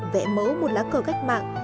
vẽ mẫu một lá cờ cách mạng